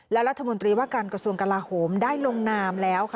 และรัฐมนตรีว่าการกระทรวงกลาโหมได้ลงนามแล้ว